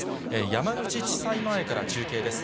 山口地裁前から中継です。